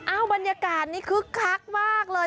อ้าวบรรยากาศนี่คือคลักมากเลย